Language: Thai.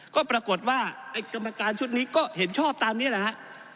ก็ปรากฏว่าไอ้กรรมการชุดนี้ก็เห็นชอบตามนี้แหละฮะ